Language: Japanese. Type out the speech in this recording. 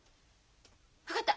分かった。